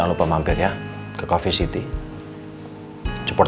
aku mau bahas soal perceraian aku sama nino pak